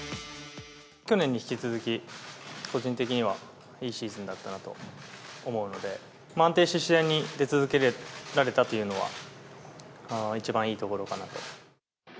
去年に引き続き、個人的にはいいシーズンだったなと思うので、安定して試合に出続けられたというのは、一番いいところかなと。